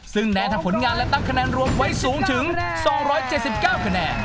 ซึ่งแนนทำผลงานและตั้งคะแนนรวมไว้สูงถึง๒๗๙คะแนน